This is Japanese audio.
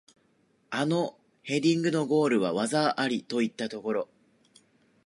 あのヘディングのゴールは技ありといったところ